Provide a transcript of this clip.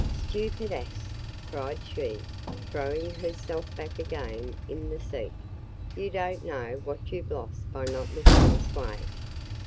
"Stupid ass!" cried she, throwing herself back again in the seat. "You don't know what you've lost by not looking this way!"